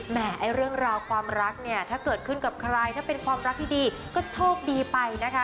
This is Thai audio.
ไอ้เรื่องราวความรักเนี่ยถ้าเกิดขึ้นกับใครถ้าเป็นความรักที่ดีก็โชคดีไปนะคะ